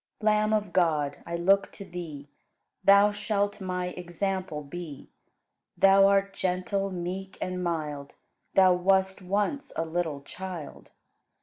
104. Lamb of God, I look to Thee; Thou shalt my example be; Thou art gentle, meek, and mild, Thou wast once a little child.